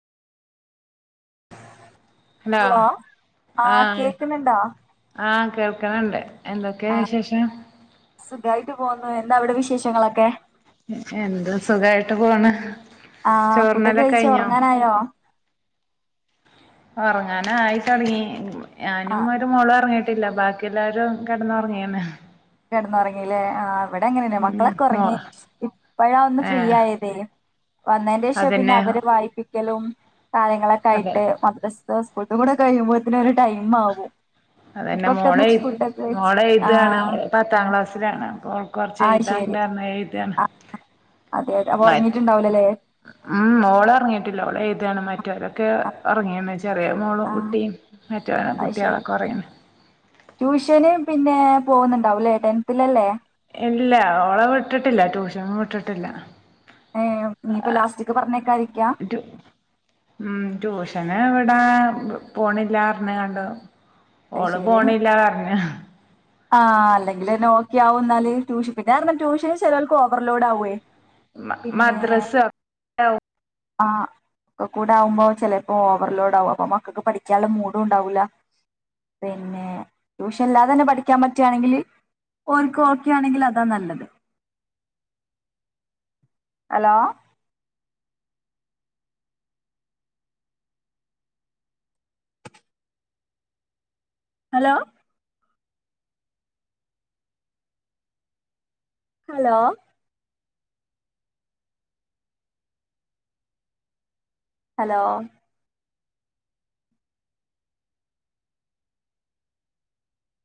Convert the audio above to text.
Hello, ആഹ്, ആഹ് കേൾക്ക്ണണ്ട്. ആ സുഖായിട്ട് പോവുന്നു എന്താ അവിടെ വിശേഷങ്ങളൊക്കെ? എന്ത്‌ സുഖായിട്ട് പോണ്. ആ ഫുഡ് ഒക്കെ ചോറിനലൊക്കെ കഴിച്ച് കഴിഞ്ഞോ ഒറങ്ങാനായോ? ഒറങ്ങാന ആയി തൊടങ്ങി ഞാനും ആഹ് ഒരു മോളും ഒറങ്ങീ ട്ടില്ല ബാക്കി എല്ലാവരും കെടന്നൊറങ്ങീണ്. കെടന്ന് ഒറങ്ങീലെ ആ ഇവിടെ അങ്ങനെന്ന ഉം മക്കളൊക്കെ മോ ഒറങ്ങി. ഇപ്പഴാ ഒന്ന് ഫ്രീ ഏഹ് ആയതേ. വന്നേന്റെ ശേഷം പിന്നെ അതന്നെ അവര് വായിപ്പിക്കലും കാര്യങ്ങളൊക്കെ അതെ ആയിട്ട് മദ്രസ്ത്തെ സ്കൂൾത്തും കൂടെ കഴിയുമ്പോത്ത്ന് ഒരു ടൈംമാവും. അതെന്നെ മോള് എഴ് മോളെ എഴ്ത് ആണ്. ആഹ് ഓള് പത്താം ക്ലാസ്സിലാണ് അപ്പൊ ഓൾ ക്ക് കൊറച്ച് ആഹ് ശരി എഴുതാണ്ട് പറഞ്ഞ് എഴുത് ആണ്. മാറ്റി ണ്ടാവുലലേ. ഇമ് ഓള് ഒറങ്ങിയിട്ടില്ല ഓള് എഴ്ത് ആണ് മറ്റോലൊക്കെ ഒറങ്ങിയെന്ന് വെച്ച് ചെറിയ മോളും ആഹ് കുട്ടിയും മറ്റൊനും അത് ശരി കുട്ടിളൊക്കെ ഒറങ്ങീണ്. ട്യൂഷന് പിന്നെ പോവുന്നുണ്ടാവുല്ലേ ടെൻത്ത്ലല്ലേ? ഇല്ല ഓള വിട്ടിട്ടില്ല ട്യൂഷനും വിട്ടിട്ടില്ല. ഏഹ്, ഇഞ്ഞിപ്പ ലാസ്റ്റിക് പറഞ്ഞേക്കായിരിക്കാ? ടു ഉം, ട്യൂഷന് ഇവിടാ പോണില്ല പറഞ്ഞ്കാണ്ട് അയ് ശെരി, [unintelligible] ആ, അല്ലെങ്കിലെന്നെ ഓക്കെ ആവു ഇന്നാല്, ട്യൂഷൻ പിന്നെ കാരണം ട്യൂഷന് ചെലോർക്ക് ഓവർലോഡ് ആവുവേ. മ പിന്നെ മദ്രസ ആഹ് ഒക്ക കൂടെ ആവുമ്പോ ചെലപ്പോ ഓവർലോഡ് ആവു അപ്പൊ മക്കക്ക് പഠിക്കാല്ല മൂഡു ഇണ്ടാവൂല. പിന്നെ, ട്യൂഷൻ ഇല്ലാതെ തന്നെ പഠിക്കാൻ പറ്റ് ആണെങ്കില് ഓൻക്ക് ഓക്കെ ആണെങ്കിൽ അതാ നല്ലത്. Hello hello hello hello